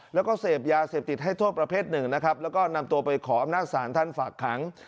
แล้วก็เสพยาเสพติดให้โทษประเภทหนึ่งนะครับแล้วก็นำตัวไปขออำนาจศาลท่านฝากขัง